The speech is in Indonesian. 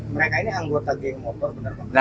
mereka ini anggota geng motor bener pak